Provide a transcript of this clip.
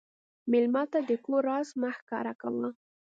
مېلمه ته د کور راز مه ښکاره کوه.